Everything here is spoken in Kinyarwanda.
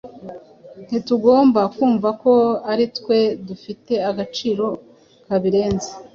ntitugomba kumva ko ari twe dufite agaciro kabirenze